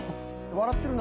笑ってるな。